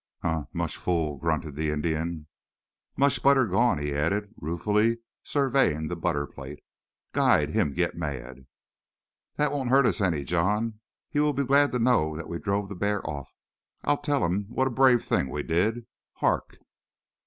"Huh! Much fool!" grunted the Indian. "Much butter gone," he added, ruefully surveying the butter plate. "Guide him git mad." "That won't hurt us any, John. He will be glad to know that we drove the bear off. I'll tell him what a brave thing we did. Hark!"